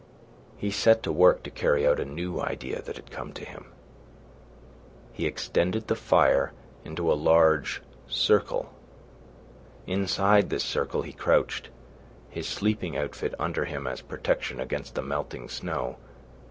He set to work to carry out a new idea that had come to him. He extended the fire into a large circle. Inside this circle he crouched, his sleeping outfit under him as a protection against the melting snow.